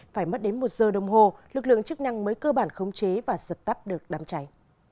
phải mất đến một giờ đồng hồ lực lượng chức năng mới cơ bản khống chế và giật tắt được đám cháy